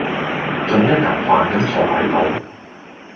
仲一嚿飯咁坐喺度？